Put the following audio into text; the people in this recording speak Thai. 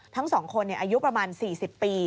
ทั้ง๒คนอายุประมาณ๔๐ปี